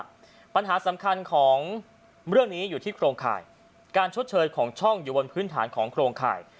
ปัญหาสำคัญของเรื่องนี้อยู่ที่โครงข่ายการชดเชยของช่องอยู่บนพื้นฐานของโครงข่าย